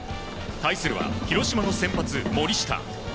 対するは広島の先発、森下。